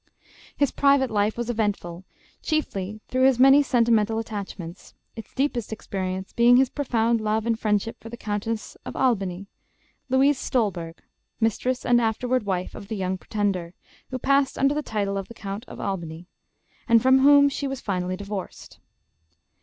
His private life was eventful, chiefly through his many sentimental attachments, its deepest experience being his profound love and friendship for the Countess of Albany, Louise Stolberg, mistress and afterward wife of the "Young Pretender," who passed under the title of Count of Albany, and from whom she was finally divorced.